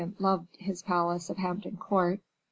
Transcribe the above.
loved his palace of Hampton Court.